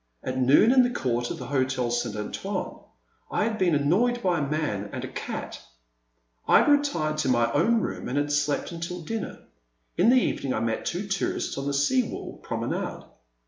At noon, in the court of the Hotel St. Antoine, I had been annoyed by a man and a cat. I had retired to my own room and had slept until dinner. In the evening I met two tourists on the sea wall prom enade.